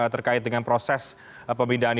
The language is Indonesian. terkait dengan proses pemindahan